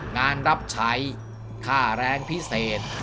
รับใช้ค่าแรงพิเศษ